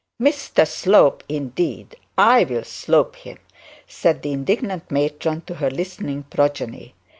'Mr Slope, indeed! I'll Slope him,' said the indignant matron to her listening progeny.